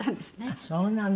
あっそうなの。